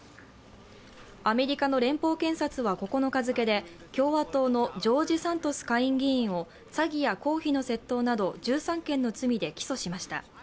アメリカの連邦検察は９日付共和党のジョージ・サントス下院議員を詐欺や公費の窃盗など１３件の罪で起訴しました。